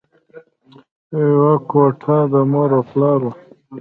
یوه کوټه د مور او پلار وه